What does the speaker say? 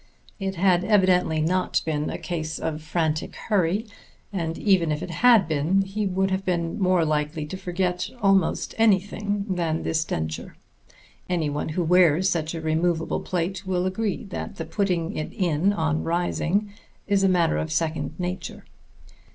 It had evidently not been a case of frantic hurry; and even if it had been, he would have been more likely to forget almost anything than this denture. Any one who wears such a removable plate will agree that the putting it in on rising is a matter of second nature.